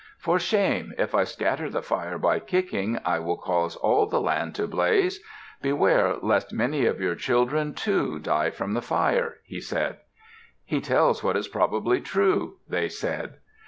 "For shame! If I scatter the fire by kicking, I will cause all the land to blaze. Beware lest many of your children, too, die from the fire," he said. "He tells what is probably true," they said.